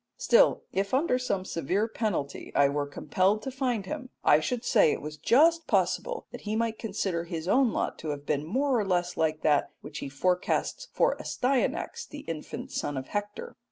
Still, if under some severe penalty I were compelled to find him, I should say it was just possible that he might consider his own lot to have been more or less like that which he forecasts for Astyanax, the infant son of Hector.